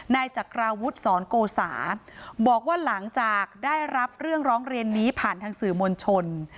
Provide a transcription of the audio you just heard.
จากราวุฒิสอนโกสาบอกว่าหลังจากได้รับเรื่องร้องเรียนนี้ผ่านทางสื่อมวลชน